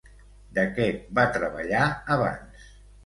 De què va treballar abans?